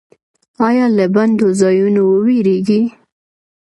ایا له بندو ځایونو ویریږئ؟